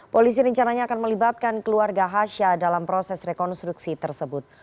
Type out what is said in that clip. polisi rencananya akan melibatkan keluarga hasha dalam proses rekonstruksi tersebut